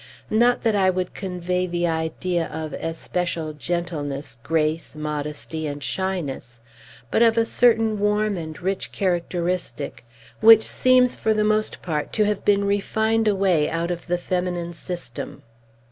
Not that I would convey the idea of especial gentleness, grace, modesty, and shyness, but of a certain warm and rich characteristic, which seems, for the most part, to have been refined away out of the feminine system.